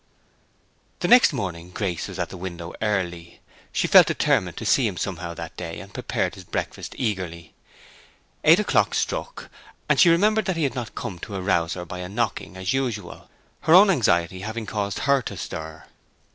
The next morning Grace was at the window early. She felt determined to see him somehow that day, and prepared his breakfast eagerly. Eight o'clock struck, and she had remembered that he had not come to arouse her by a knocking, as usual, her own anxiety having caused her to stir.